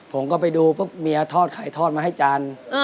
ผมก็ไปดูพวกเมียทอดไข่ทอดมาให้จาน